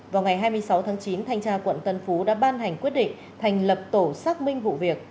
vào ngày hai mươi sáu tháng chín thanh tra quận tân phú đã ban hành quyết định thành lập tổ xác minh vụ việc